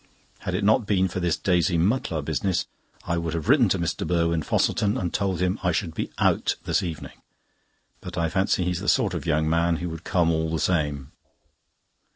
Had it not been for this Daisy Mutlar business, I would have written to Mr. Burwin Fosselton and told him I should be out this evening, but I fancy he is the sort of young man who would come all the same.